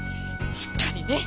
しっかりね！